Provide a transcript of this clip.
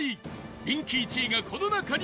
人気１位がこの中に！